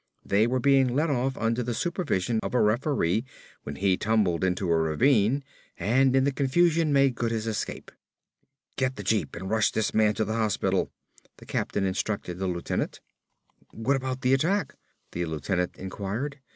They were being led off under the supervision of a referee when he tumbled into a ravine and in the confusion made good his escape. "Get the jeep and rush this man to the hospital," the captain instructed the lieutenant. "What about the attack?" the lieutenant inquired.